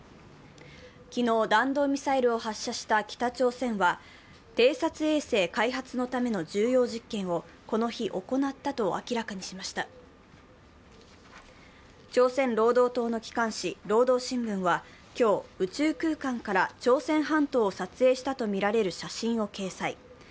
昨日弾道ミサイルを発射した北朝鮮は偵察衛星開発のための重要実験をこの日、行ったと明らかにしました朝鮮労働党の機関紙「労働新聞」は今日、宇宙空間から朝鮮半島を撮影したとみられる写真を掲載。